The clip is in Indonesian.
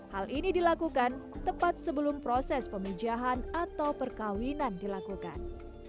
hal ini dilakukan tepat sebelum proses pemijahan atau perkawinan dilakukan